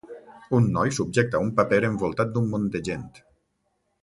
Un noi subjecta un paper envoltat d'un munt de gent.